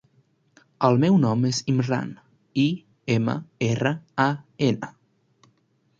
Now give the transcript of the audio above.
El meu nom és Imran: i, ema, erra, a, ena.